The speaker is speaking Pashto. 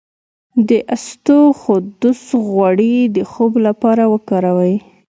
د اسطوخودوس غوړي د خوب لپاره وکاروئ